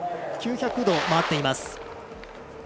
９００度回っています。